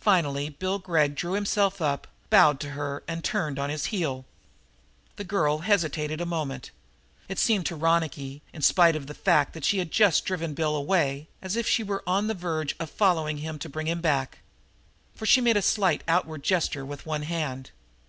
Finally Bill Gregg drew himself up and bowed to her and turned on his heel. The girl hesitated a moment. It seemed to Ronicky, in spite of the fact that she had just driven Bill Gregg away, as if she were on the verge of following him to bring him back. For she made a slight outward gesture with one hand.